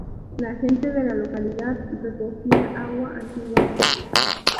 La gente de la localidad recogía agua antiguamente.